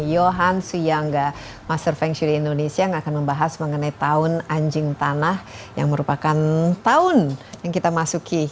yohan suyangga master feng shuri indonesia yang akan membahas mengenai tahun anjing tanah yang merupakan tahun yang kita masuki